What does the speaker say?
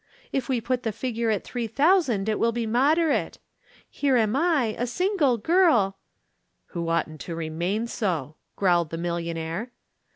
If we put the figure at three thousand it will be moderate. Here am I, a single girl " "Who oughtn't to remain so," growled the millionaire.